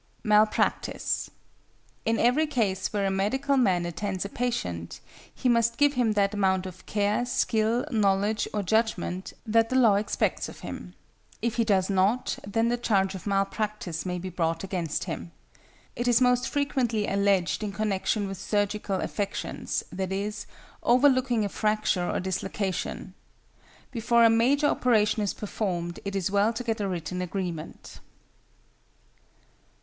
=Malpractice.= In every case where a medical man attends a patient, he must give him that amount of care, skill, knowledge, or judgment, that the law expects of him. If he does not, then the charge of malpractice may be brought against him. It is most frequently alleged in connection with surgical affections e.g., overlooking a fracture or dislocation. Before a major operation is performed, it is well to get a written agreement.